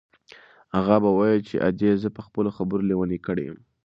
اغا به ویل چې ادې زه په خپلو خبرو لېونۍ کړې یم.